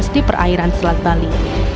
di perairan selat bali